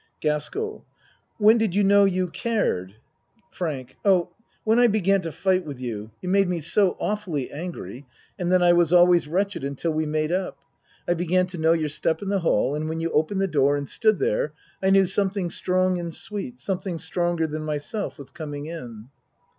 GASKELL When did you know you cared? FRANK Oh When I began to fight with you, ACT III 81 You made me so awfully angry and then I was always wretched until we made up. I began to know your step in the hall, and when you opened the door and stood there I knew something strong and sweet, something stronger than myself was com ing in.